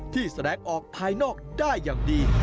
ที่แสดงออกภายนอกได้อย่างดี